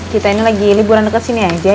kita ini lagi liburan dekat sini aja